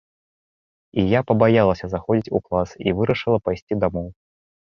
І я пабаялася заходзіць у клас, і вырашыла пайсці дамоў.